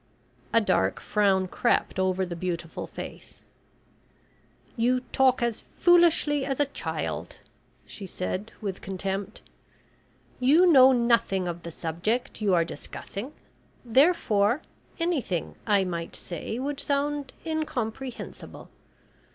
A dark frown crept over the beautiful face. "You talk as foolishly as a child," she said with contempt. "You know nothing of the subject you are discussing, therefore anything I might say would sound incomprehensible.